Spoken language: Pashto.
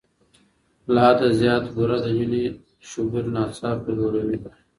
له حده زیات بوره د وینې شوګر ناڅاپي لوړوي.